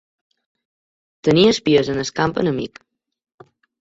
Tenir espies en el camp enemic.